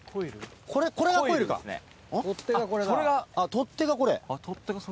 取っ手がこれだ。